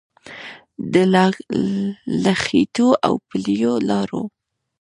د لښتيو او پلیو لارو